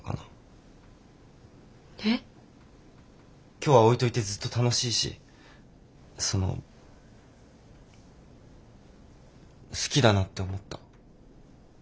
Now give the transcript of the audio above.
今日葵といてずっと楽しいしその好きだなって思った。